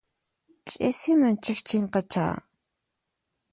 Ch'isiman chikchinqachá.